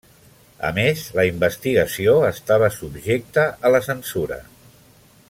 A més, la investigació estava subjecta a la censura.